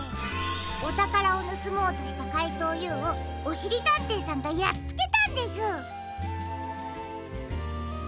おたからをぬすもうとしたかいとうＵをおしりたんていさんがやっつけたんです！